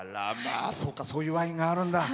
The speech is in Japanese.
そういうワインがあるんだ。